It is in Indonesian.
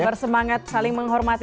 bersemangat saling menghormati